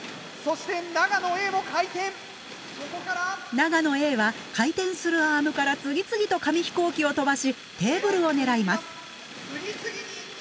長野Ａは回転するアームから次々と紙飛行機を飛ばしテーブルを狙います。